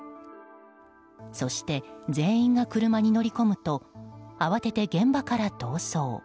そして全員が車に乗り込むと慌てて現場から逃走。